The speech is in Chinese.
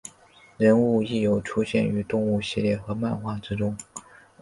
人物亦有出现于动画系列和漫画之中。